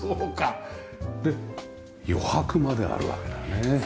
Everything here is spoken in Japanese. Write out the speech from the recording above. で余白まであるわけだよね。